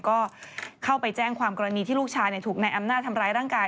ก็เข้าไปแจ้งความกรณีที่ลูกชายถูกนายอำนาจทำร้ายร่างกาย